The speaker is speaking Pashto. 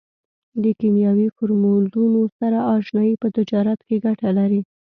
د کیمیاوي فورمولونو سره اشنایي په تجارت کې ګټه لري.